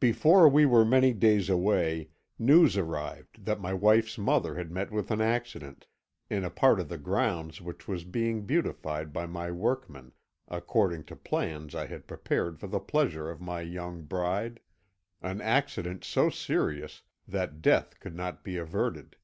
"Before we were many days away news arrived that my wife's mother had met with an accident, in a part of the grounds which was being beautified by my workmen according to plans I had prepared for the pleasure of my young bride an accident so serious that death could not be averted.